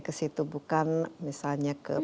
kesitu bukan misalnya ke